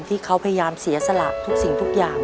ที่เขาพยายามเสียสละทุกสิ่งทุกอย่าง